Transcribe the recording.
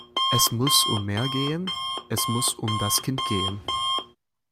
Es muss um mehr gehen, es muss um das Kind gehen.